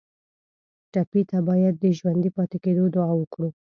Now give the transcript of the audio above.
ټپي ته باید د ژوندي پاتې کېدو دعا وکړو.